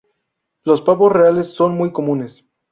Los pavos reales son muy comunes.